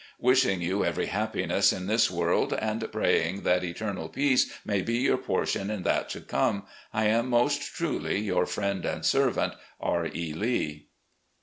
"Wishing you every happiness in this world, and praying that eternal peace mdy be your portion in that to come, I am most truly. Your friend and servant, "R. E. Lee."